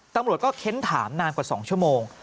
ตำรวจก็เค้นถามนานกว่า๒ชั่วโมง